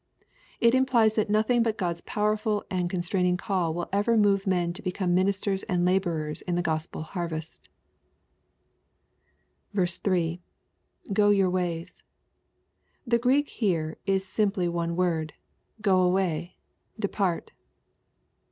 It implies that nothing but God's powerful and constrain ing call wii ever move men to become ministers and laborers in the Gospel harvest 3.— [(7o your ways.] The Greek here is simply one word, "go away, — depart."